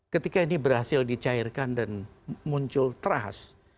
ketika ini berhasil dicairkan dan muncul trust